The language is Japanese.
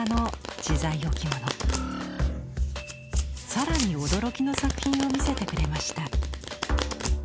更に驚きの作品を見せてくれました。